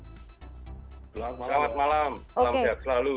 selamat malam salam sehat selalu